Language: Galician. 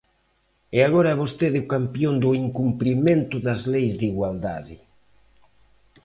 E agora é vostede o campión do incumprimento das leis de igualdade.